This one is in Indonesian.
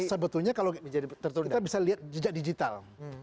sebetulnya kalau kita bisa lihat jejak digital